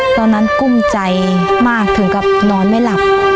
ตอนนั้นกุ้มใจมากถึงกับนอนไม่หลับ